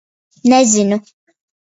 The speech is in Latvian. Nezinu.